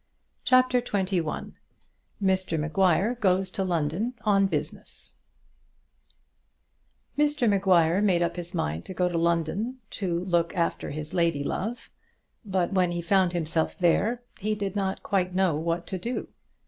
CHAPTER XXI Mr Maguire Goes to London on Business Mr Maguire made up his mind to go to London, to look after his lady love, but when he found himself there he did not quite know what to do.